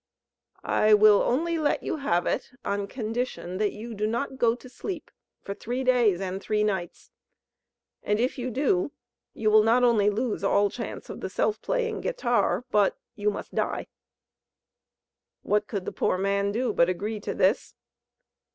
"I will only let you have it on condition that you do not go to sleep for three days and nights. And if you do, you will not only lose all chance of the Self playing Guitar; but you must die." What could the poor man do, but agree to this?